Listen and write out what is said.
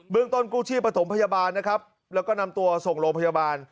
ต้นกู้ชีพประถมพยาบาลนะครับแล้วก็นำตัวส่งโรงพยาบาล